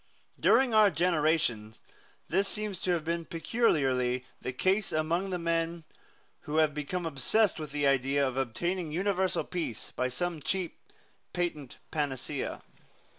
During our generation this seems to have been peculiarly the case among the men who have become obsessed with the idea of obtaining universal peace by some cheap patent panacea.